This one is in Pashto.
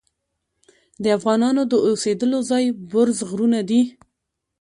د افغانانو د اوسیدلو ځای برز غرونه دي.